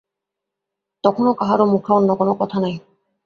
তখনও কাহারও মুখে অন্য কোন কথা নাই।